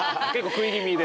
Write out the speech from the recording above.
食い気味で。